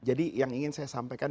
jadi yang ingin saya sampaikan